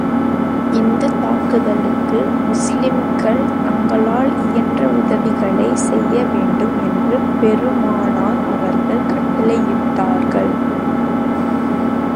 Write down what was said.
இந்தத் தாக்குதலுக்கு முஸ்லிம்கள் தங்களால் இயன்ற உதவிகளைச் செய்ய வேண்டும் என்று பெருமானார் அவர்கள் கட்டளையிட்டார்கள்.